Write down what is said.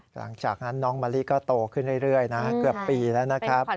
หลังจากนั้นน้องมลิก็โตขึ้นเรื่อยกว่าปีแล้วกัน